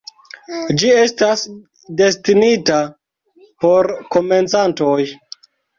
Ĝi estas destinita por komencantoj.